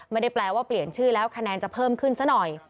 ไม่ได้แปลว่าเปลี่ยนชื่อแล้วคะแนนจะเพิ่มขึ้นซะหน่อย